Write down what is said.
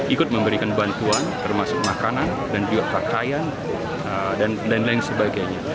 ikut memberikan bantuan termasuk makanan dan juga pakaian dan lain lain sebagainya